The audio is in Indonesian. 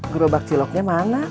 gerobak ciloknya mana